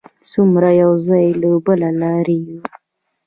څومره یو ځای له بله لرې و.